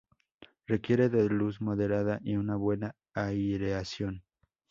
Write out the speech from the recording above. Requiere de luz moderada y una buena aireación.